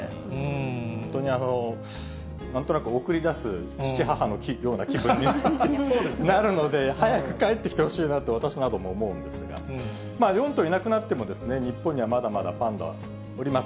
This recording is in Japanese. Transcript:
本当になんとなく送り出す父、母のような気分になるので、早く帰ってきてほしいなと私なども思うんですが、４頭いなくなっても、日本にはまだまだパンダはおります。